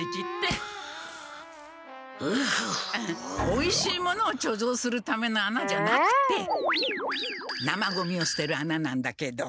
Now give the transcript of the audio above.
おいしいものをちょぞうするための穴じゃなくて生ゴミをすてる穴なんだけど。